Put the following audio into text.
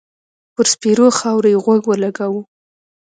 پر سپېرو خاور يې غوږ و لګاوه.